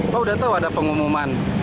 pak udah tahu ada pengumuman